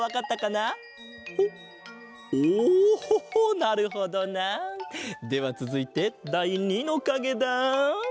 なるほどな。ではつづいてだい２のかげだ！